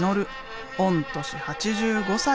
御年８５歳。